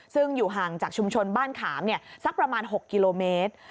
ซึ่งอยู่ห่างจากชุมชนบ้านขามสักประมาณ๖กิโลเมตร